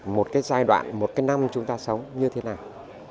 một cái giai đoạn một cái năm chúng ta sống như thế nào